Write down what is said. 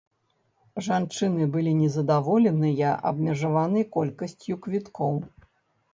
Жанчыны былі незадаволеныя абмежаванай колькасцю квіткоў.